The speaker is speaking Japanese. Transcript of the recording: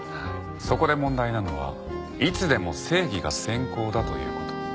そこで問題なのはいつでも正義が先攻だという事。